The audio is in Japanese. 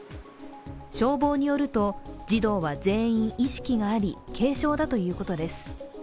消防によると、児童は全員意識があり、軽症だということです。